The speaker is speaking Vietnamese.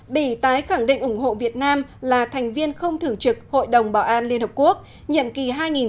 bỉ tái khẳng định ủng hộ việt nam là thành viên không thưởng trực hội đồng bảo an liên hợp quốc nhiệm kỳ hai nghìn hai mươi hai nghìn hai mươi một